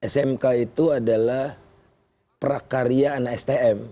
smk itu adalah prakarya anak stm